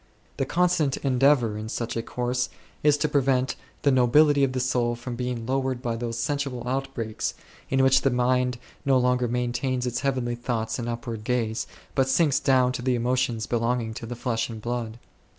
The constant endeavour in such a course is to prevent the nobility of the soul from being lowered by those sensual outbreaks, in which the mind no longer maintains its heavenly thoughts and upward gaze, but sinks down to the emotions belonging to the flesh and blood.